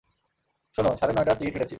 শোনো, সাড়ে নয়টার টিকেট কেটেছি।